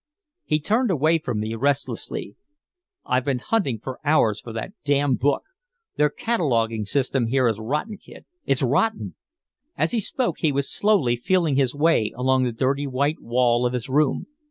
He turned away from me restlessly. "I've been hunting for hours for that damn book. Their cataloguing system here is rotten, Kid, it's rotten!" As he spoke he was slowly feeling his way along the dirty white wall of his room.